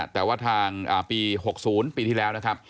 แต่ว่าทางปี๖๐ปีที่แล้ว